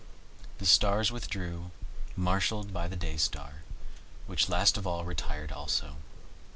The stars withdrew, marshalled by the Day star, which last of all retired also.